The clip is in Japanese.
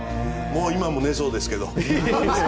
もう、今も寝そうですけど。